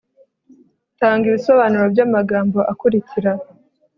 tanga ibisobanuro by'amagambo akurikira